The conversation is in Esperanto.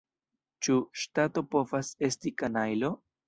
Ĉu ŝtato povas esti kanajlo?